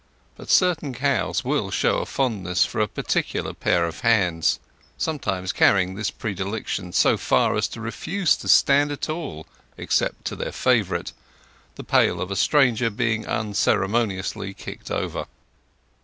But certain cows will show a fondness for a particular pair of hands, sometimes carrying this predilection so far as to refuse to stand at all except to their favourite, the pail of a stranger being unceremoniously kicked over.